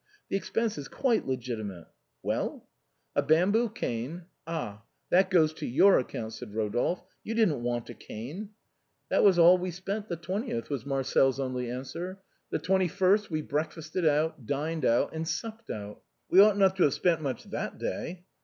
The expense is quite legitimate. Well ?—"" A bamboo cane —"" Ah, that goes to your account," said Eodolphe. " You didn't want a cane." "That is all we spent the 20th," was Marcel's only answer. " The 21st we breakfasted out, dined out, and supped out." " We ought not to have spent much that day."